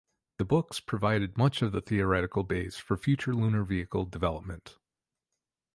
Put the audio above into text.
The books provided much of the theoretical base for future lunar vehicle development.